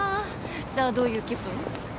じゃあどういう気分？